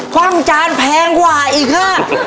ความจานแพงกว่าอีกค่ะ